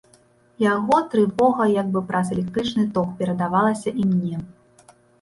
Яго трывога як бы праз электрычны ток перадавалася і мне.